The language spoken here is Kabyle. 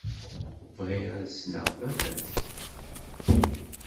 Bɣiɣ ad ssneɣ baba-s.